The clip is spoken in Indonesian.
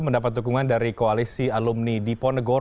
mukanya bapak belur